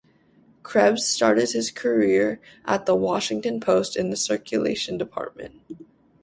Krebs started his career at "The Washington Post" in the circulation department.